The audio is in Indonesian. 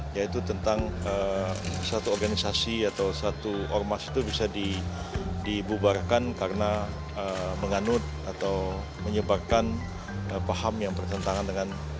yaitu tentang satu organisasi atau satu ormas itu bisa dibubarkan karena menganut atau menyebarkan paham yang bertentangan dengan